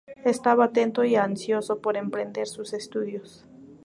Estaba atento y ansioso por emprender sus estudios.